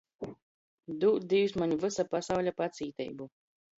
Dūd, Dīvs, maņ vysa pasauļa pacīteibu!